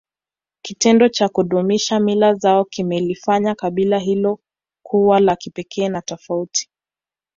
Kitendo cha kudumisha mila zao kimelifanya kabila hilo kuwa la kipekee na tofauti